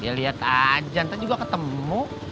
ya liat aja nanti juga ketemu